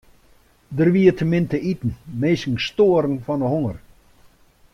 Der wie te min te iten, minsken stoaren fan 'e honger.